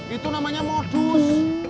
itu namanya modus